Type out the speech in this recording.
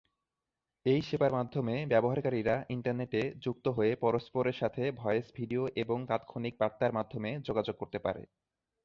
এই সেবার মাধ্যমে ব্যবহারকারীরা ইন্টারনেটে যুক্ত হয়ে পরস্পরের সাথে ভয়েস, ভিডিও এবং তাৎক্ষণিক বার্তার মাধ্যমে যোগাযোগ করতে পারে।